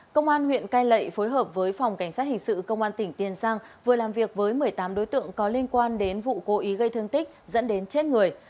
công an huyện cai lệ phối hợp với phòng cảnh sát hình sự công an tỉnh tiền giang vừa làm việc với một mươi tám đối tượng có liên quan đến vụ cố ý gây thương tích dẫn đến chết người